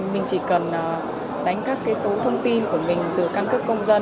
mình chỉ cần đánh các cái số thông tin của mình từ căn cước công dân